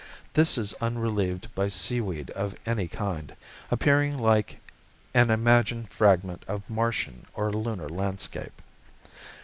This is unrelieved by sea weed of any kind, appearing like an imagined fragment of Martian or lunar landscape.